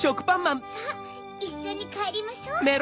さぁいっしょにかえりましょ。